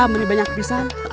menurut banyak kebisaan